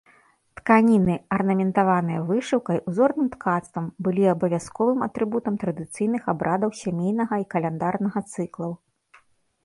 Тканіны, арнаментаваныя вышыўкай, узорным ткацтвам, былі абавязковым атрыбутам традыцыйных абрадаў сямейнага і каляндарнага цыклаў.